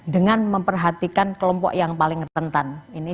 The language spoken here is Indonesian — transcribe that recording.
dengan memperhatikan kelompok yang paling rentan